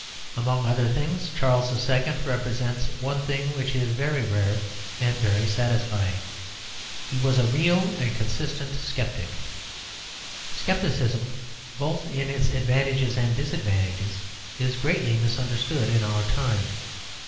Among other things Charles II. represented one thing which is very rare and very satisfying; he was a real and consistent sceptic. Scepticism, both in its advantages and disadvantages, is greatly misunderstood in our time.